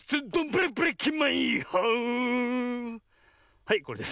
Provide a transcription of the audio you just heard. はいこれです。